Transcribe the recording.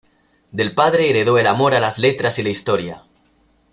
Del padre heredó el amor a las letras y la historia.